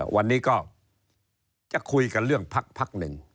วันนี้ก็จะคุยกันเรื่องพักหนึ่ง